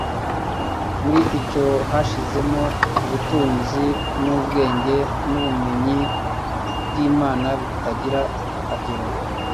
Muri cyo hahishemo “ubutunzi n'ubwenge n'ubumenyi by'Imana bitagira akagero